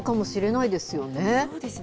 そうですね。